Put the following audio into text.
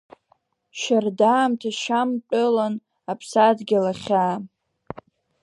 Шьардаамҭа Шьамтәылан, Аԥсадгьыл ахьаа…